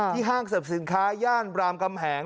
ห้างเสริมสินค้าย่านรามกำแหง